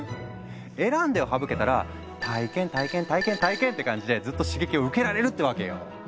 「選んで」を省けたら「体験」「体験」「体験」「体験」って感じでずっと刺激を受けられるってわけよ。